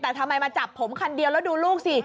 แต่ทำไมมาจับผมคันเดียวแล้วดูลูกสิ